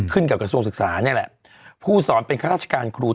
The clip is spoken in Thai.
กับกระทรวงศึกษานี่แหละผู้สอนเป็นข้าราชการครู